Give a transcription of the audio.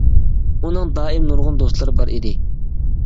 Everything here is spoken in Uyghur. ئۇنىڭ دائىم نۇرغۇن دوستلىرى بار ئىدى.